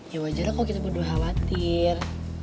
ya wajar lah kok kita berdua khawatir